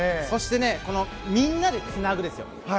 そして、みんなでつなぐですよ。